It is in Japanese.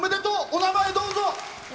お名前をどうぞ。